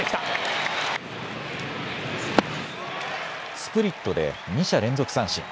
スプリットで２者連続三振。